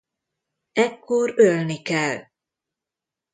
Ekkor ölni kell!